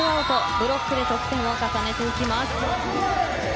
ブロックで得点を重ねていきます。